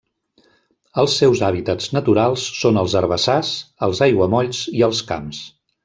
Els seus hàbitats naturals són els herbassars, els aiguamolls i els camps.